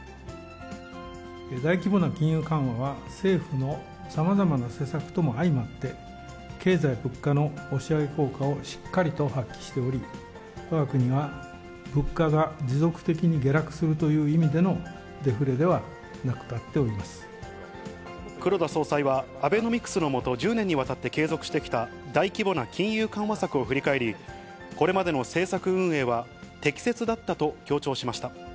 大規模な金融緩和は、政府のさまざまな施策とも相まって、経済物価の押し上げ効果をしっかりと発揮しており、わが国は物価が持続的に下落するという意味でのデフレではなくな黒田総裁は、アベノミクスのもと、１０年にわたって継続してきた大規模な金融緩和策を振り返り、これまでの政策運営は適切だったと強調しました。